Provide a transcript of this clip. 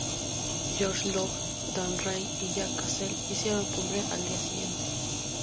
George Lowe, Dan Reid y Jay Cassell hicieron cumbre al día siguiente.